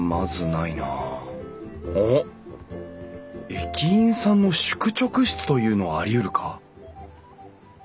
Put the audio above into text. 駅員さんの宿直室というのはありうるか？